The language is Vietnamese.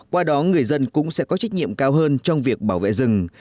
qua đó người dân cũng sẽ có trách nhiệm cao hơn trong việc bảo vệ rừng